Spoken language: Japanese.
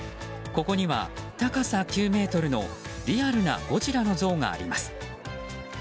ここには高さ９ｍのリアルなゴジラの像があります。